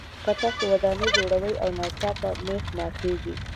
که تاسو ودانۍ جوړوئ او ناڅاپه مېخ ماتیږي.